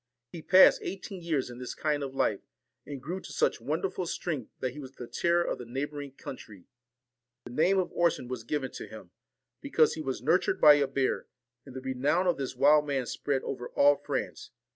He passed eighteen years in this kind of life, and grew to such wonderful strength, that he was the terror of the neighbouring country. The name of Orson was given to him, because he was nurtured by a bear ; and the re nown of this wild man spread over all France.